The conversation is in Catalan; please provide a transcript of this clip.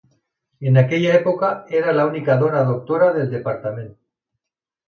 En aquella època era l'única dona doctora del departament.